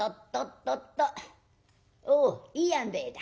「おういいあんべえだ。